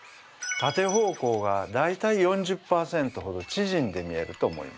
縦方向が大体４０％ほど縮んで見えると思います。